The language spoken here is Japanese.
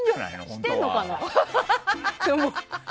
してんのかな？